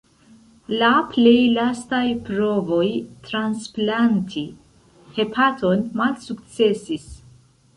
La plej lastaj provoj transplanti hepaton malsukcesis.